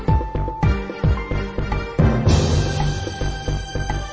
ถึงมองว่าเป็นเรื่องการตัว